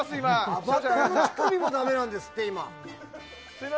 アバターの乳首もダメなんですって、今。